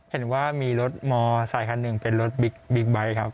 เห็นว่ามีรถมอไซคันหนึ่งเป็นรถบิ๊กไบท์ครับ